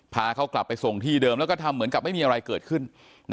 พาเขากลับไปส่งที่เดิมแล้วก็ทำเหมือนกับไม่มีอะไรเกิดขึ้น